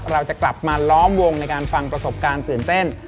เราจะกลับมาล้อมวงในการฟังประสบการณ์ตื่นเต้น